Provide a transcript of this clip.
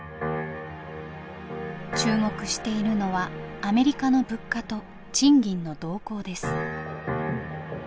注目しているのはアメリカの物価と賃金の動向です。